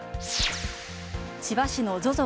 千葉市のＺＯＺＯ